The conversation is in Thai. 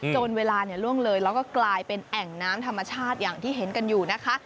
จนเวลาล่วงเลยแล้วก็กลายเป็นแอ่งน้ำธรรมชาติอย่างที่เห็นกันอยู่นะคะ